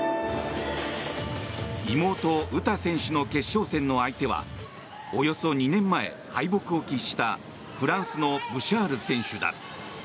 妹・詩選手の決勝戦の相手はおよそ２年前、敗北を喫したフランスのブシャール選手だ。